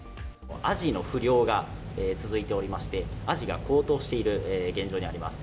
アジの不漁が続いておりまして、アジが高騰している現状にあります。